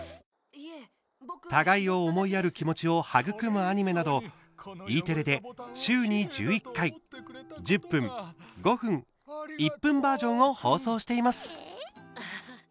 互いを思いやる気持ちを育むアニメなどＥテレで週に１１回１０分、５分、１分バージョンを放送しています。